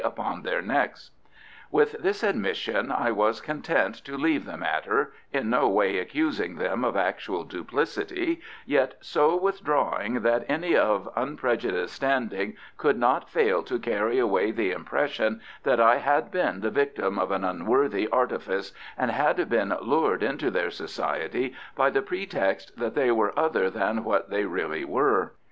upon their necks. With this admission I was content to leave the matter, in no way accusing them of actual duplicity, yet so withdrawing that any of unprejudiced standing could not fail to carry away the impression that I had been the victim of an unworthy artifice, and had been lured into their society by the pretext that they were other than what they really were.